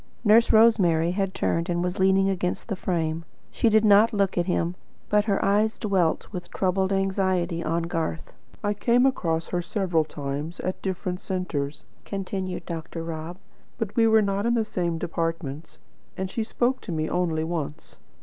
Nurse Rosemary had turned and was leaning against the frame. She did not look at him, but her eyes dwelt with troubled anxiety on Garth. "I came across her several times, at different centres," continued Dr. Rob; "but we were not in the same departments, and she spoke to me only once.